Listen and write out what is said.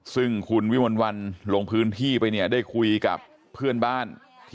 ซึ่งคุณวิมลวันลงพื้นที่ไปเนี่ยได้คุยกับเพื่อนบ้าน